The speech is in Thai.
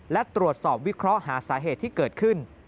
และตรวจสอบวิเคราะห์หาสาเหตุที่เกิดขึ้น